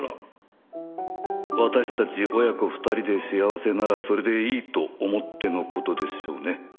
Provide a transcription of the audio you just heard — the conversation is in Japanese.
「私たち親子二人で幸せならそれでいいと思ってのことでしょうね」